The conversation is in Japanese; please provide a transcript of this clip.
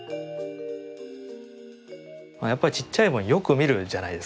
やっぱりちっちゃいもんよく見るじゃないですか。